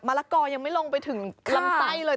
ละกอยังไม่ลงไปถึงลำไส้เลย